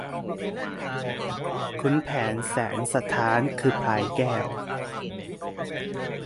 ขุนแผนแสนสะท้าน คือพลายแก้ว